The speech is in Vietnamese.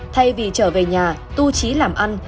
thay vì trở về nhà tu trí làm ăn